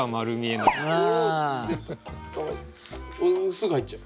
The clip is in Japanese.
すぐ入っちゃう。